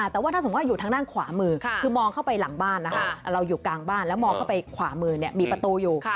แต่ว่าถ้าสมมุติว่าอยู่ทางด้านขวามือคือมองเข้าไปหลังบ้านนะคะเราอยู่กลางบ้านแล้วมองเข้าไปขวามือมีประตูอยู่